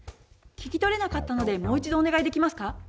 聞き取れなかったのでもう一度お願いできますか？